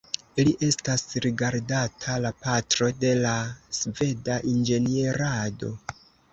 Li estas rigardata la patro de la sveda inĝenierado.